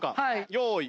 用意。